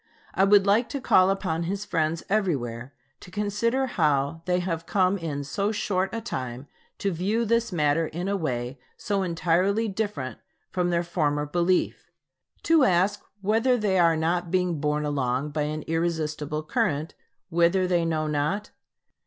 I would like to call upon his friends everywhere to consider how they have come in so short a time to view this matter in a way so entirely different from their former belief; to ask whether they are not being borne along by an irresistible current, whither they know not?